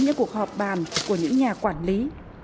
những cuộc họp bàn của những nhà quản lý